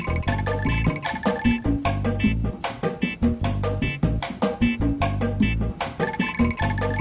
orang tua saya datang